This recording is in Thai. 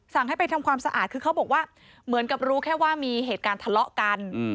ให้ไปทำความสะอาดคือเขาบอกว่าเหมือนกับรู้แค่ว่ามีเหตุการณ์ทะเลาะกัน